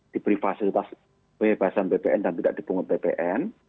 diberi fasilitas bebasan ppn dan tidak dipungut ppn